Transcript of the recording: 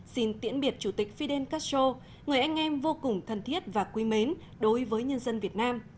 xin tiễn biệt chủ tịch fidel castro người anh em vô cùng thân thiết và quý mến đối với nhân dân việt nam